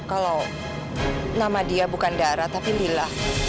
kalau nama dia bukan darah tapi lila